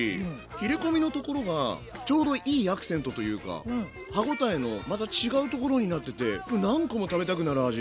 切れ込みのところがちょうどいいアクセントというか歯応えもまた違うところになってて何個も食べたくなる味。